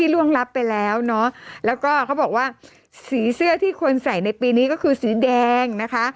ล่วงรับไปแล้วเนอะแล้วก็เขาบอกว่าสีเสื้อที่คนใส่ในปีนี้ก็คือสีแดงนะคะ